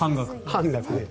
半額。